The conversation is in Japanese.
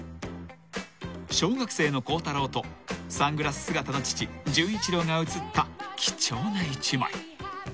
［小学生の孝太郎とサングラス姿の父純一郎が写った貴重な一枚］